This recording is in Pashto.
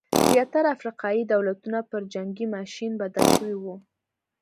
زیاتره افریقايي دولتونه پر جنګي ماشین بدل شوي وو.